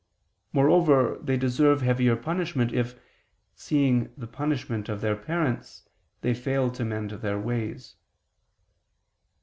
Moreover they deserve heavier punishment if, seeing the punishment of their parents, they fail to mend their ways.